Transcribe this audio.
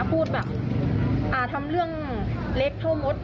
พูดแบบทำเรื่องเล็กเท่ามด